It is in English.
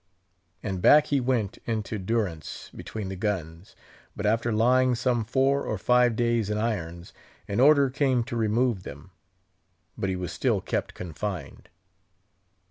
And back he went into durance between the guns; but after lying some four or five days in irons, an order came to remove them; but he was still kept confined.